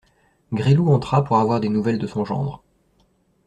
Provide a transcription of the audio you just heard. Gresloup entra pour avoir des nouvelles de son gendre.